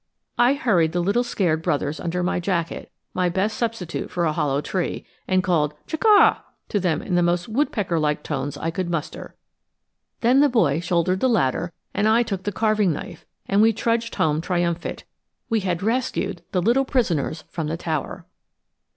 I hurried the little scared brothers under my jacket, my best substitute for a hollow tree, and called chuck' ah to them in the most woodpecker like tones I could muster. Then the boy shouldered the ladder, and I took the carving knife, and we trudged home triumphant; we had rescued the little prisoners from the tower!